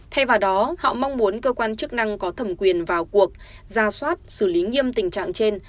thay vào đó họ mong muốn cơ quan chức năng có thẩm quyền vào cuộc ra soát xử lý nghiêm tình trạng trên